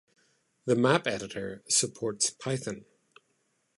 The map editor supports Python.